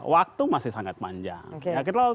waktu masih sangat panjang